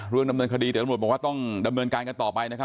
เรื่องดำเนินคดีเดี๋ยวเราบอกว่าต้องดำเนินการกันต่อไปนะครับ